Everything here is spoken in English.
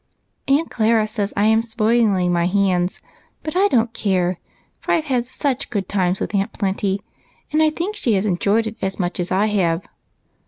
Aunt Clara says I am spoiling my hands, but I don't care, for I've had such good times with Aunt Plenty, and I think she has enjoyed it as much as I have.